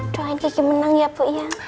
doain ki ki menang ya puk ya